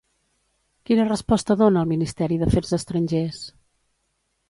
Quina resposta dona el Ministeri d'Afers Estrangers?